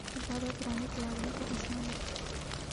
اور بار بار پرانے کھلاڑیوں کو آزمانے